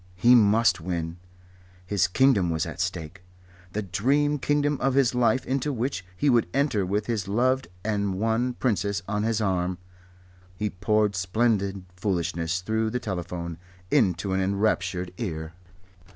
He must win. His kingdom was at stake the dream kingdom of his life into which he would enter with his loved and won Princess on his arm. He poured splendid foolishness through the telephone into an enraptured ear.